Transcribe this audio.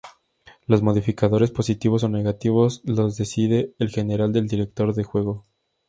Los modificadores, positivos o negativos, los decide en general el director de juego.